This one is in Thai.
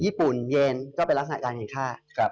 ญี่ปุ่นเยนก็เป็นลักษณะการแข่งค่าครับ